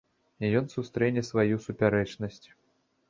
Ён сустрэне сваю супярэчнасць.